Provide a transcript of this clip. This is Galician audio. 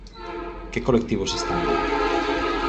Que colectivos están dentro?